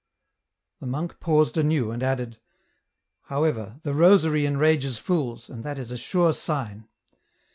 " The monk paused anew, and added, " However, the rosary enrages fools, and that is a sure sign.